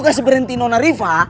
kasih berhenti nona riva